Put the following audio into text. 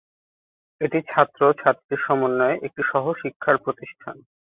এটি ছাত্র ও ছাত্রীর সমন্বয়ে একটি সহ শিক্ষার প্রতিষ্ঠান।